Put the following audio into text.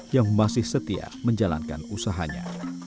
yang masih setia menjalankan usahanya